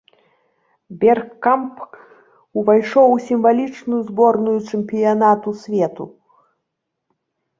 Бергкамп увайшоў у сімвалічную зборную чэмпіянату свету.